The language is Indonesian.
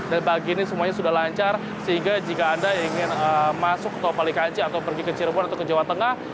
dan bagi ini semuanya sudah lancar sehingga jika anda ingin masuk ke tol palikanci atau pergi ke cirebon atau ke jawa tengah